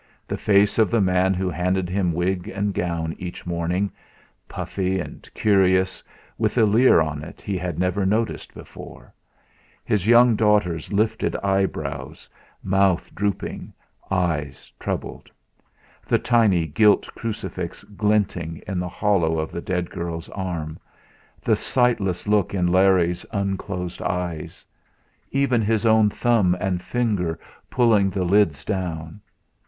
The face of the man who handed him wig and gown each morning, puffy and curious, with a leer on it he had never noticed before; his young daughter's lifted eyebrows, mouth drooping, eyes troubled; the tiny gilt crucifix glinting in the hollow of the dead girl's arm; the sightless look in Larry's unclosed eyes; even his own thumb and finger pulling the lids down.